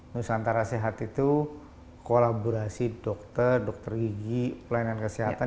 nusantara sehat itu kolaborasi dokter dokter gigi pelayanan kesehatan